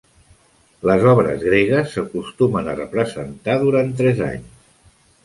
Les obres gregues s'acostumen a representar durant tres anys.